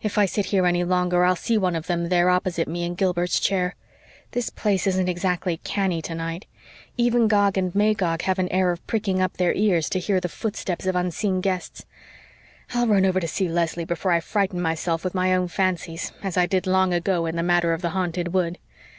If I sit here any longer I'll see one of them there opposite me in Gilbert's chair. This place isn't exactly canny tonight. Even Gog and Magog have an air of pricking up their ears to hear the footsteps of unseen guests. I'll run over to see Leslie before I frighten myself with my own fancies, as I did long ago in the matter of the Haunted Wood.